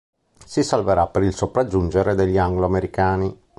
Si salverà per il sopraggiungere degli angloamericani.